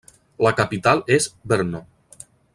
La capital és Brno.